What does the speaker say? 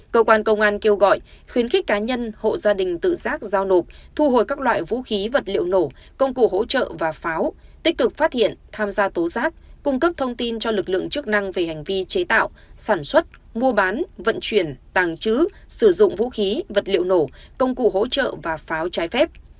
cơ quan công an kêu gọi khuyến khích cá nhân hộ gia đình tự giác giao nộp thu hồi các loại vũ khí vật liệu nổ công cụ hỗ trợ và pháo tích cực phát hiện tham gia tố giác cung cấp thông tin cho lực lượng chức năng về hành vi chế tạo sản xuất mua bán vận chuyển tàng trữ sử dụng vũ khí vật liệu nổ công cụ hỗ trợ và pháo trái phép